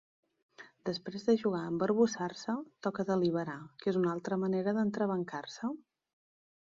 Després de jugar a embarbussar-se toca deliberar, que és una altra manera d'entrebancar-se.